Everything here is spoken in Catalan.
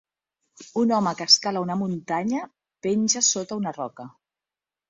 un home que escala una muntanya penja sota una roca